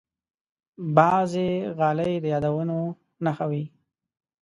بعضې غالۍ د یادونو نښه وي.